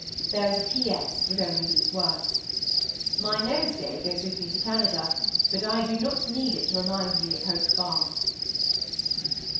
There was a P.S., with only these words:—"My nosegay goes with me to Canada, but I do not need it to remind me of Hope Farm."